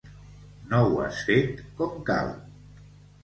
No ho has fet com cal.